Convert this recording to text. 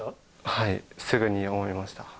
はい、すぐに思いました。